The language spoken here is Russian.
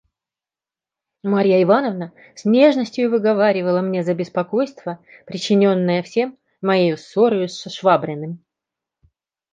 Марья Ивановна с нежностию выговаривала мне за беспокойство, причиненное всем моею ссорою с Швабриным.